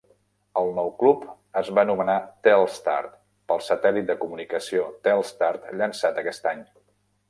El nou club es va anomenar Telstar, pel satèl·lit de comunicació Telstar llançat aquest any.